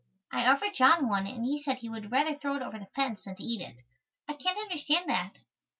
I offered John one and he said he would rather throw it over the fence than to eat it. I can't understand that.